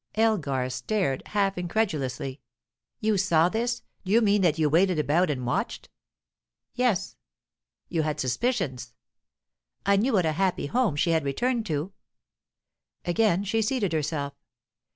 Elgar stared, half incredulously. "You saw this? Do you mean that you waited about and watched?" "Yes." "You had suspicions?" "I knew what a happy home she had returned to." Again she seated herself.